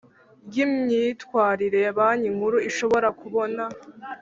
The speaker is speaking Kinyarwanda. Rw imyitwarire banki nkuru ishobora kubona